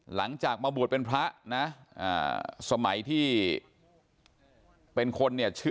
หลังจากมาบวชเป็นพระนะสมัยที่เป็นคนเนี่ยชื่อ